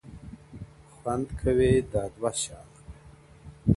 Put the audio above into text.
• خوند كوي دا دوه اشــــنا.